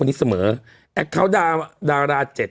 นี่แต่ไปดูว่าคุณเอกขวัญกลับช่องเจ็ด